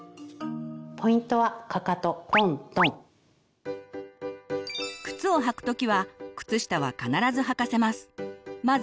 ポイントは靴を履く時は靴下は必ずはかせます。